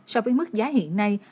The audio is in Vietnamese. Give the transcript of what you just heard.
so với mức giá hiện nay